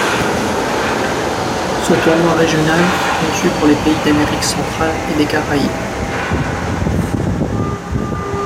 Ce tournoi régional fut conçu pour les pays d'Amérique centrale et des Caraïbes.